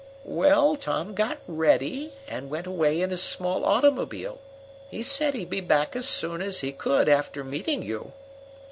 "Well, Tom got ready and went away in his small automobile. He said he'd be back as soon as he could after meeting you."